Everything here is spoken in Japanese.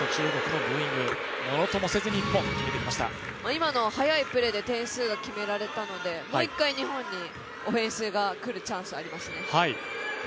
今の速いプレーで点数が決められたので、もう一回日本にオフェンスが来るチャンスがありますね。